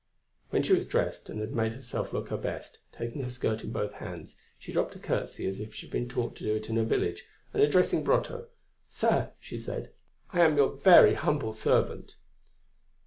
When she was dressed and had made herself look her best, taking her skirt in both hands, she dropped a curtsey as she had been taught to do in her village, and addressing Brotteaux: "Sir," she said, "I am your very humble servant."